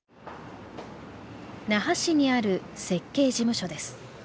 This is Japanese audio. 那覇市にある設計事務所です。